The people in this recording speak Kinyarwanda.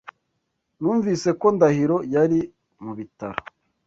Numvise ko Ndahiro yari mu bitaro.